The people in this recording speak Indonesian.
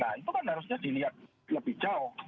nah itu kan harusnya dilihat lebih jauh